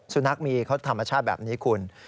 ซูนักมีความธรรมชาติแบบนี้คุณ